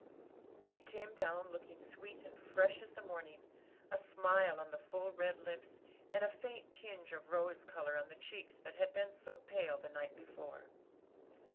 She came down looking sweet and fresh as the morning; a smile on the full red lips, and a faint tinge of rose color on the cheeks that had been so pale the night before.